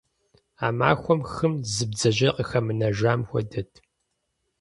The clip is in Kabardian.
А махуэм хым зы бдзэжьеи къыхэмынэжам хуэдэт.